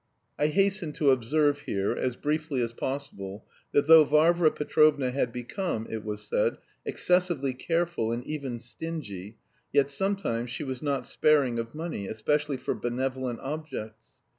I hasten to observe here, as briefly as possible, that though Varvara Petrovna had become, it was said, excessively careful and even stingy, yet sometimes she was not sparing of money, especially for benevolent objects.